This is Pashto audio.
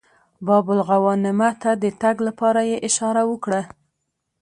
باب الغوانمه ته د تګ لپاره یې اشاره وکړه.